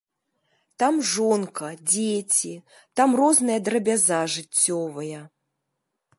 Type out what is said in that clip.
Там жонка, дзеці, там розная драбяза жыццёвая.